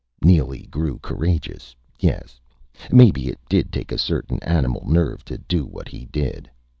Neely grew courageous yes, maybe it did take a certain animal nerve to do what he did.